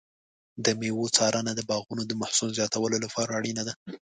د مېوو څارنه د باغونو د محصول زیاتولو لپاره اړینه ده.